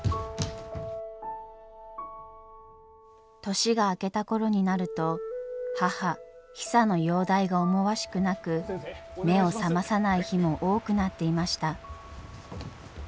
年が明けた頃になると母ヒサの容体が思わしくなく目を覚まさない日も多くなっていました。